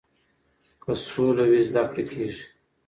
که سوله وي زده کړه کیږي.